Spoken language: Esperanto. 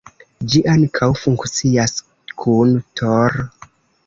Ĝi ankaŭ funkcias kun Tor.